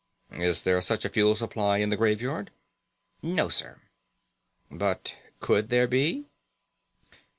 "Is there such a fuel supply in the Graveyard?" "No, sir." "But could there be?"